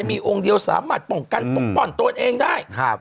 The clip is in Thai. แล้วมีองค์เดียวสามหรือสามหรือหรือหันต้นเองได้ครับ